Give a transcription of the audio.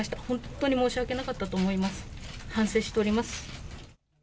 本当に申し訳なかったと思います、反省しております。